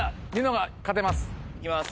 いきます。